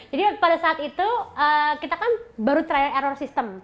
pada saat itu kita kan baru trial error system